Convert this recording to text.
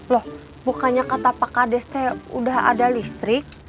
loh bukannya kata pak kades kayak udah ada listrik